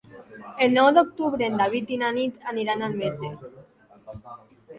El nou d'octubre en David i na Nit aniran al metge.